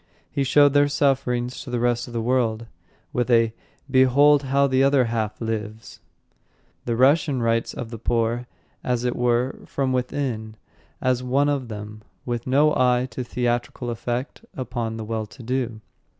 He showed their sufferings to the rest of the world with a "Behold how the other half lives!" The Russian writes of the poor, as it were, from within, as one of them, with no eye to theatrical effect upon the well to do.